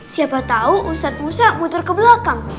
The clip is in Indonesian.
siapa tau usap musai muter ke belakang